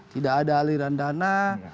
tidak ada aliran dana